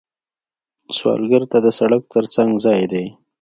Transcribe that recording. سوالګر ته د سړک تر څنګ ځای دی